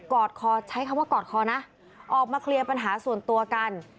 อดคอใช้คำว่ากอดคอนะออกมาเคลียร์ปัญหาส่วนตัวกัน